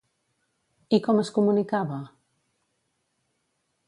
I com es comunicava?